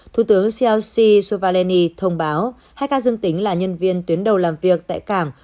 thủ tướng celsi suvaleni thông báo hai ca dương tính là nhân viên tuyến đầu làm việc tại cảng